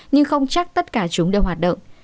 nhưng không chắc tất cả chúng đều hoạt động